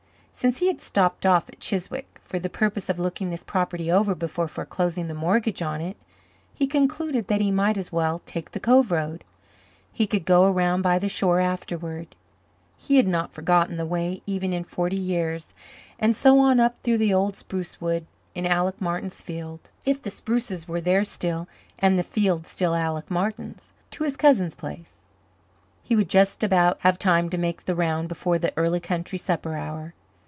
Since he had stopped off at Chiswick for the purpose of looking this property over before foreclosing the mortgage on it he concluded that he might as well take the Cove road; he could go around by the shore afterward he had not forgotten the way even in forty years and so on up through the old spruce wood in Alec Martin's field if the spruces were there still and the field still Alec Martin's to his cousin's place. He would just about have time to make the round before the early country supper hour.